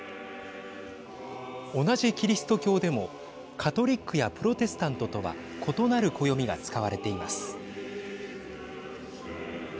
同じキリスト教でもカトリックやプロテスタントとは異なる暦が使われています。